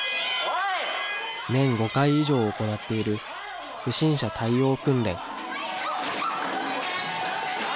年５回行っている不審者対応訓練。